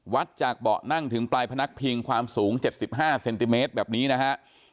จากเบาะนั่งถึงปลายพนักพิงความสูง๗๕เซนติเมตรแบบนี้นะฮะ